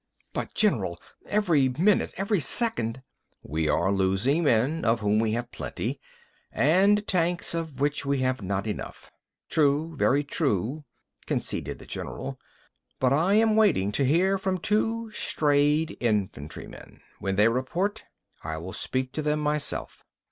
"But General, every minute, every second—" "We are losing men, of whom we have plenty, and tanks, of which we have not enough. True, very true," conceded the general. "But I am waiting to hear from two strayed infantrymen. When they report, I will speak to them myself."